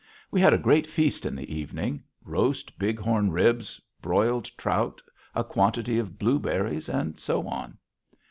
We had a great feast in the evening roast bighorn ribs, broiled trout, a quantity of blueberries, and so on.